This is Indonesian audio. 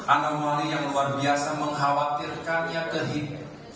anwar mali yang luar biasa mengkhawatirkan yang kehidupan